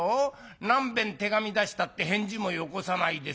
何べん手紙出したって返事もよこさないでさ」。